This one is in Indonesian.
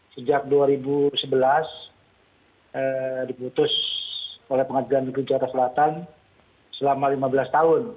sejak dua ribu sebelas dibutuh oleh pengadilan kecara selatan selama lima belas tahun